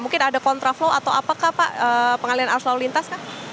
mungkin ada kontraflow atau apakah pak pengalian arus lalu lintas